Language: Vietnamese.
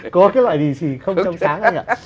có cái loại lì xì không trong sáng